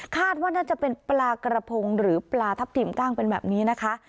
น่าจะเป็นปลากระพงหรือปลาทับทิมกล้างเป็นแบบนี้นะคะ